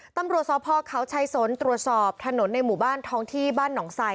ตำรวจสพเขาชัยสนตรวจสอบถนนในหมู่บ้านท้องที่บ้านหนองไซ